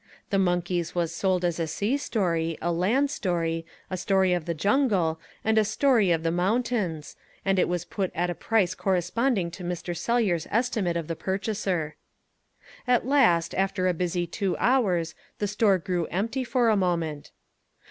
The Monkeys was sold as a sea story, a land story, a story of the jungle, and a story of the mountains, and it was put at a price corresponding to Mr. Sellyer's estimate of the purchaser. At last after a busy two hours, the store grew empty for a moment.